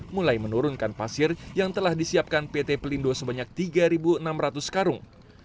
mulai menurunkan pasir yang telah disiapkan pt pelindo sebanyak tiga enam ratus karung